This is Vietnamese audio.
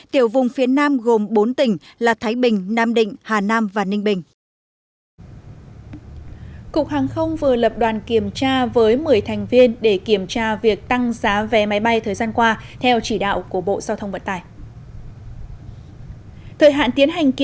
tiểu vùng phía nam gồm bốn tỉnh là thái bình nam định hà nam và ninh bình